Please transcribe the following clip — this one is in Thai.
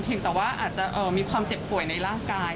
แต่ว่าอาจจะมีความเจ็บป่วยในร่างกาย